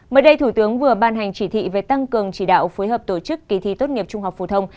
mới đây thủ tướng vừa ban hành chỉ thị về tăng cường chỉ đạo phối hợp tổ chức kỳ thi tốt nghiệp trung học phổ thông